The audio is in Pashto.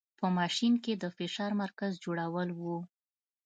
په ماشین کې د فشار مرکز جوړول و.